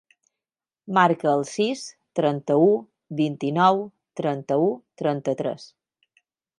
Marca el sis, trenta-u, vint-i-nou, trenta-u, trenta-tres.